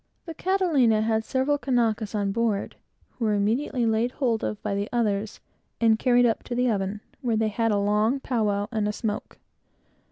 The Catalina had several Kanakas on board, who were immediately besieged by the others, and carried up to the oven, where they had a long pow wow, and a smoke.